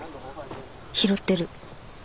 拾ってる。